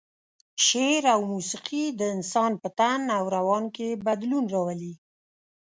شعر او موسيقي د انسان په تن او روان کې بدلون راولي.